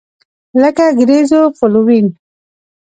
لکه ګریزوفولوین.